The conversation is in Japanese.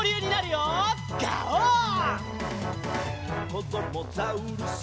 「こどもザウルス